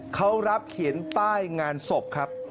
เขารับเขียนป้ายงานศพครับ